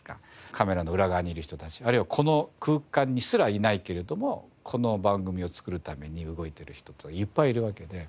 カメラの裏側にいる人たちあるいはこの空間にすらいないけれどもこの番組を作るために動いてる人っていうのはいっぱいいるわけで。